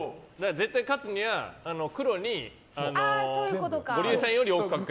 絶対勝つには黒にゴリエさんより多く。